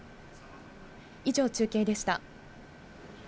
以上、中継でした。